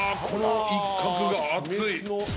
この一角が熱い。